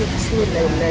tunggu terus andre